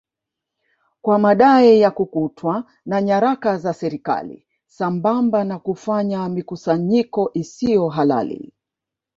kwa madai ya kukutwa na nyaraka za serikali sambamba na kufanya mikusanyiko isiyo halali